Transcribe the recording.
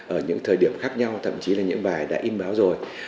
ở những thời điểm khác nhau thậm chí là những bài đã in báo rồi